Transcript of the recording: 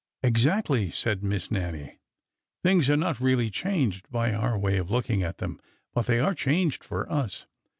Exactly," said Miss Nannie. " Things are not really changed by our way of looking at them, but they are changed for us."